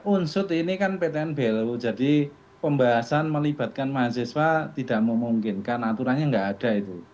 unsur ini kan ptnblu jadi pembahasan melibatkan mahasiswa tidak memungkinkan aturannya nggak ada itu